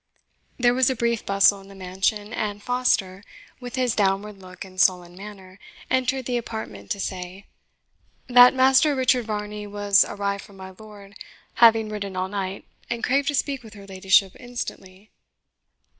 There was a brief bustle in the mansion, and Foster, with his downward look and sullen manner, entered the apartment to say, "That Master Richard Varney was arrived from my lord, having ridden all night, and craved to speak with her ladyship instantly."